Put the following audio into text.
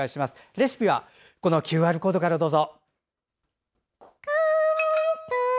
レシピはＱＲコードからどうぞ。